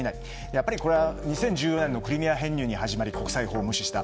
やっぱりこれは２０１４年のクリミア編入に始まり国際法を無視した。